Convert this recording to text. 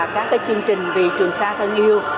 các chương trình vì trường xa thân yêu